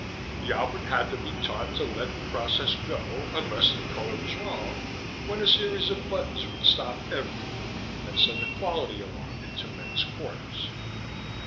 This Albert had to be taught to let the process go unless the color was wrong, when a series of buttons would stop everything and send a quality alarm into men's quarters.